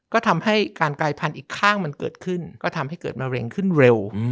ก็ทำให้การกลายพันธุ์อีกข้างมันเกิดขึ้นก็ทำให้เกิดมะเร็งขึ้นเร็ว